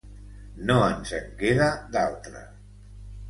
No ens en queda d’altre.